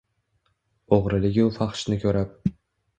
O’g’riligu fahshni ko’rib